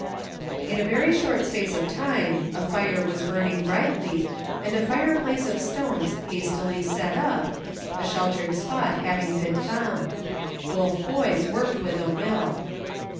In a very short space of time a fire was burn ing brightly, and a fireplace of stones hastily set up, a sheltered spot having been found. Both boys worked with a will.